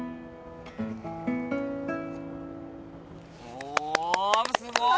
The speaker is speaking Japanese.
おぉすごい！